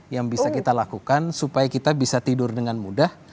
yang bisa kita lakukan supaya kita bisa tidur dengan mudah